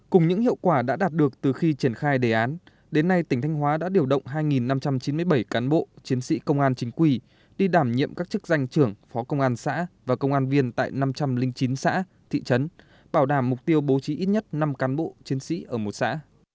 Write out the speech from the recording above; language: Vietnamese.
cùng những hiệu quả đã đạt được từ khi triển khai đề án đến nay tỉnh thanh hóa đã điều động hai năm trăm chín mươi bảy cán bộ chiến sĩ công an chính quy đi đảm nhiệm các chức danh trưởng phó công an xã và công an viên tại năm trăm linh chín xã thị trấn bảo đảm mục tiêu bố trí ít nhất năm cán bộ chiến sĩ ở một xã